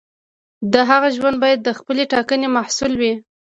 د هغه ژوند باید د خپلې ټاکنې محصول وي.